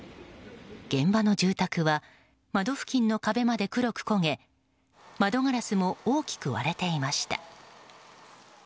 現場の住宅は窓付近の壁まで黒く焦げ窓ガラスも大きく割れていました。